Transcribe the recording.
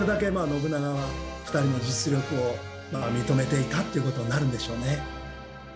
信長は２人の実力を認めていたということになるんでしょうね。